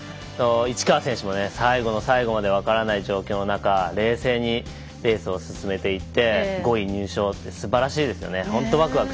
市川選手も最後の最後まで分からない状況の中冷静にレースを進めていって５位入賞ってすばらしいですよね。